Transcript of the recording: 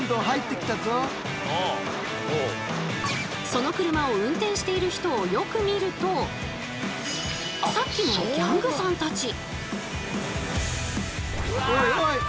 その車を運転している人をよく見るとさっきのギャングさんたち。